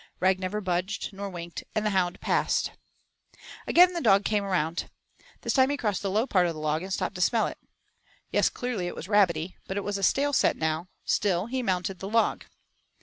Rag never budged nor winked, and the hound passed. Again the dog came round. This time he crossed the low part of the log, and stopped to smell it. 'Yes, clearly it was rabbity,' but it was a stale scent now; still he mounted the log.